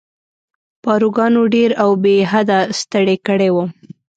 پاروګانو ډېر او بې حده ستړی کړی وم.